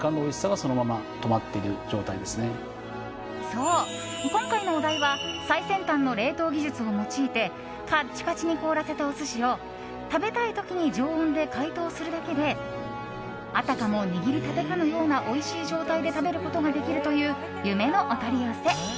そう、今回のお題は最先端の冷凍技術を用いてカッチカチに凍らせたお寿司を食べたい時に常温で解凍するだけであたかも握りたてかのようなおいしい状態で食べることができるという夢のお取り寄せ。